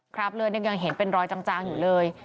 คราบเลือดยังเห็นเป็นรอยจางอยู่เลย